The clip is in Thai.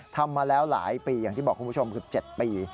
ทำมาแล้วหลายปีอย่างที่บอกคุณผู้ชมคือ๗ปี